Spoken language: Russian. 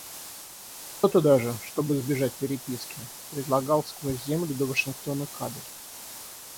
Кто-то даже, чтоб избежать переписки, предлагал — сквозь землю до Вашингтона кабель.